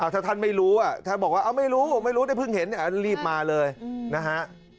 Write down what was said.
ถ้าท่านไม่รู้ท่านบอกว่าไม่รู้ไม่รู้ได้เพิ่งเห็นรีบมาเลยนะฮะ